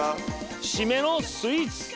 締めのスイーツ。